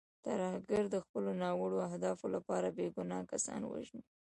ترهګر د خپلو ناوړو اهدافو لپاره بې ګناه کسان وژني.